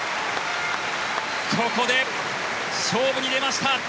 ここで勝負に出ました。